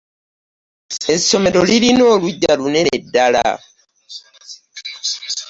Essomero lirina oluggya lunene ddala.